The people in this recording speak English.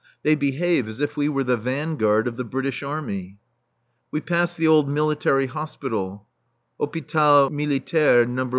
They behave as if we were the vanguard of the British Army. We pass the old Military Hospital Hôpital Militaire No.